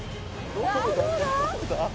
どうだ？